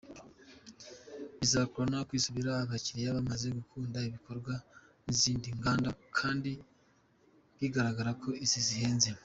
Bizagorana kwisubiza abakiliya bamaze gukunda ibikorwa n’izindi nganda, kandi bigaragara ko izi zihenze.